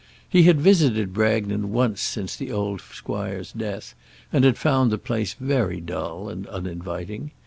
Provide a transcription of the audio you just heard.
He had visited Bragton once since the old squire's death, and had found the place very dull and uninviting.